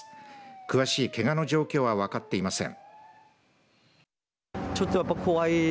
詳しいけがの状況は分かっていません。